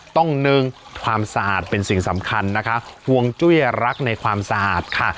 หนึ่งความสะอาดเป็นสิ่งสำคัญนะคะห่วงจุ้ยรักในความสะอาดค่ะ